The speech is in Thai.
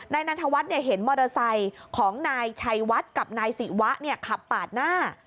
นันทวัฒน์เห็นมอเตอร์ไซค์ของนายชัยวัดกับนายศิวะขับปาดหน้า